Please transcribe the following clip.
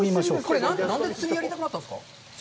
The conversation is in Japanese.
これ、何で釣りやりたくなったんですか？